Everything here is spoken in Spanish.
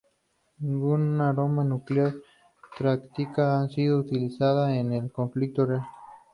Ningún arma nuclear táctica ha sido utilizada en un conflicto real.